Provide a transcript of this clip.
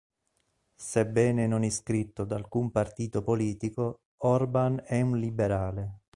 Sebbene non iscritto ad alcun partito politico, Orban è un liberale.